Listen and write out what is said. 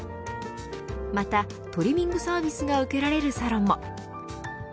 またトリミングサービスが受けられるサロンも。